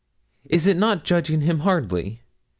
Is it not judging him hardly?